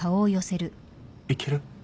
行ける？